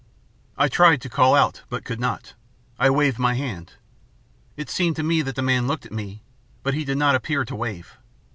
I tried to call out but could not. I waved my hand. It seemed to me that the man looked at me, but he did not appear to wave.